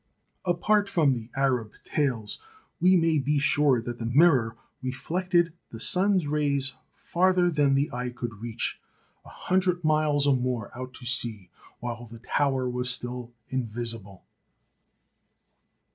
Apart from the Arab tales, we may be sure that the mirror reflected the sun's rays farther than the eye could reach, a hundred miles or more out to sea, while the tower was still invisible.